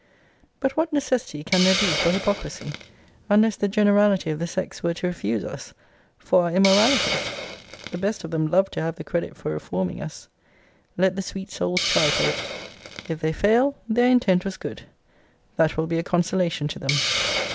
But what necessity can there be for hypocrisy, unless the generality of the sex were to refuse us for our immoralities? The best of them love to have the credit for reforming us. Let the sweet souls try for it: if they fail, their intent was good. That will be a consolation to them.